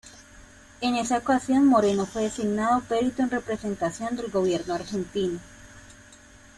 En esa ocasión, Moreno fue designado perito en representación del gobierno argentino.